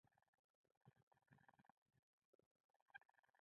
سوچ پرې کول د دغه روایت اساسي برخه ده.